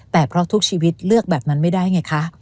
แต่เพราะทุกชีวิตเลือกแบบนั้นไม่ได้ไงคะ